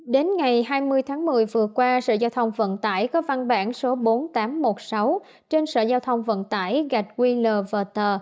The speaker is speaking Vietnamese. đến ngày hai mươi tháng một mươi vừa qua sở giao thông vận tải có văn bản số bốn nghìn tám trăm một mươi sáu trên sở giao thông vận tải gạch qlver